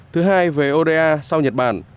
thứ hai về oda sau nhật bản